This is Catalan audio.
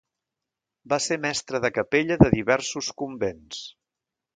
Va ser mestre de capella de diversos convents.